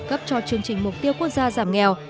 cấp cho chương trình mục tiêu quốc gia giảm nghèo